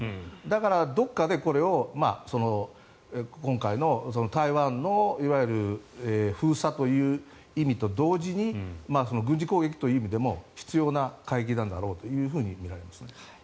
だから、どこかでこれを今回の台湾のいわゆる封鎖という意味と同時に軍事攻撃という意味でも必要な海域なんだろうと思いますね。